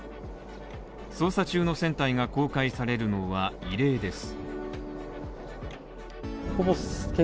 捜査中の船体が公開されるのは異例です。